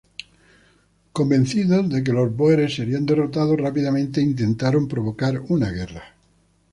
Convencidos de que los bóeres serían derrotados rápidamente, intentaron provocar una guerra.